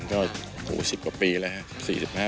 ก็๑๐กว่าปีแล้วครับ